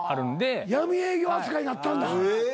闇営業扱いになったんだ。